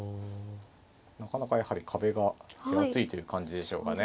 なかなかやはり壁が分厚いという感じでしょうかね。